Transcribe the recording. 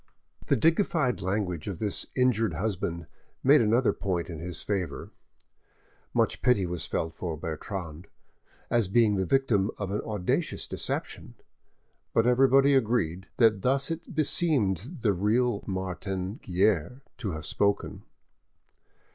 The dignified language of this injured husband made another point in his favour. Much pity was felt for Bertrande, as being the victim of an audacious deception; but everybody agreed that thus it beseemed the real Martin Guerre to have spoken.